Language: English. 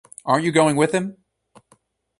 Aren't you going with him?